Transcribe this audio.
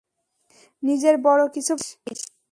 নিজের বড় কিছু ভাবিস?